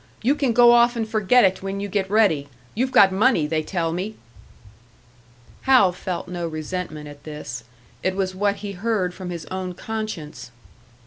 You can go off and forget it when you get ready. You've got money, they tell me!" Hal felt no resentment at this; it was what he heard from his own conscience.